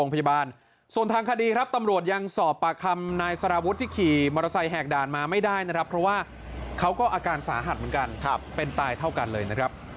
เพราะเราไม่ได้อยู่ในเหตุการณ์